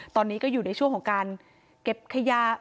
ตอนนี้ก็อยู่ในช่วงของการเก็บขยะ